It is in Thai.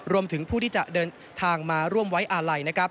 รวมถึงผู้ที่จะเดินทางมาร่วมวัยอาลัย